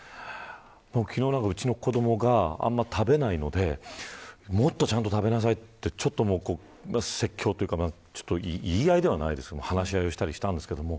昨日うちの子どもがあんまり食べないのでもっとちゃんと食べなさいと説教というか言い合いではないですけど話し合いをしたりしました。